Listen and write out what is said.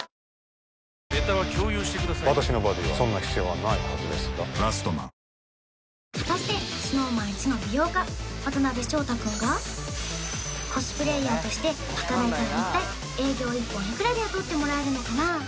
はいはいチーズ果たしてＳｎｏｗＭａｎイチの美容家渡辺翔太君がコスプレイヤーとして働いたら一体営業１本いくらで雇ってもらえるのかな？